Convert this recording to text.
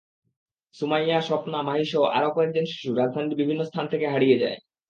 সুমাইয়া, স্বপ্না, মাহিসহ আরও কয়েকজন শিশু রাজধানীর বিভিন্ন স্থান থেকে হারিয়ে যায়।